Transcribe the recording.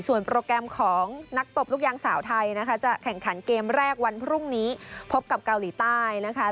ส่วนโปรแกรมของนักตบลูกยางสาวไทยนะคะจะแข่งขันเกมแรกวันพรุ่งนี้พบกับเกาหลีใต้นะคะ